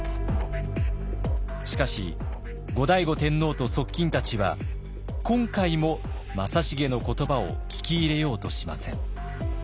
しかし後醍醐天皇と側近たちは今回も正成の言葉を聞き入れようとしません。